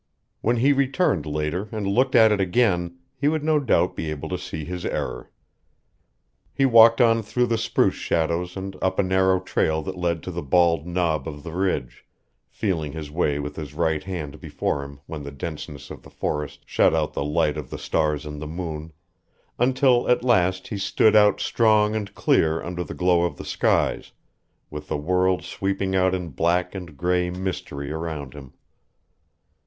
When he returned later and looked at it again he would no doubt be able to see his error. He walked on through the spruce shadows and up a narrow trail that led to the bald knob of the ridge, feeling his way with his right hand before him when the denseness of the forest shut out the light of the stars and the moon, until at last he stood out strong and clear under the glow of the skies, with the world sweeping out in black and gray mystery around him.